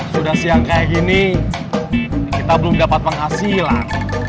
sudah siang kayak gini kita belum dapat penghasilan